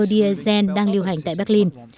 diesel đang lưu hành tại berlin